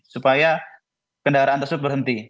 supaya kendaraan tersebut berhenti